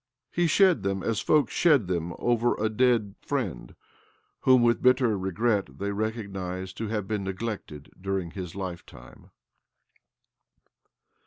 I He shed them as folk shed them over a i dead friend whom with bitter regret they / recognize to have been neglected during his [; lifetime.